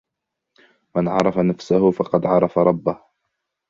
من عرف نفسه فقد عرف ربه.